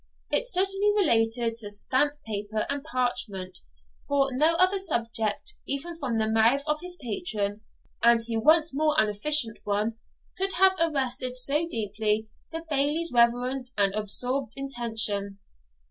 It certainly related to stamp paper and parchment; for no other subject, even from the mouth of his patron, and he once more an efficient one, could have arrested so deeply the Bailie's reverent and absorbed attention.